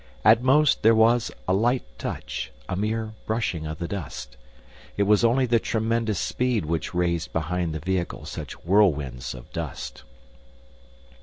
At most there was a light touch, a mere brushing of the dust. It was only the tremendous speed which raised behind the vehicle such whirlwinds of dust.